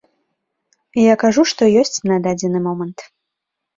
Я кажу, што ёсць на дадзены момант.